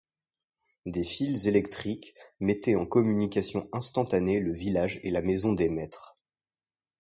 Des fils électriques mettaient en communication instantanée le village et la maison des maîtres.